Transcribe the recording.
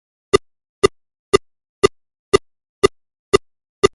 Put que empesta.